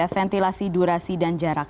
ventilasi durasi dan jarak